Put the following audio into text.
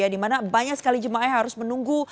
di mana banyak sekali jemaah yang harus menunggu